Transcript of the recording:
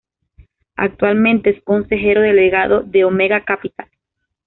Actualmente es consejero delegado de Omega Capital.